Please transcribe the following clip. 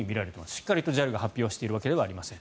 しっかりとＪＡＬが発表しているわけではありません。